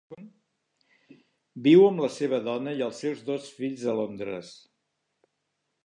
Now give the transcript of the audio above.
Viu amb la seva dona i els seus dos fills a Londres.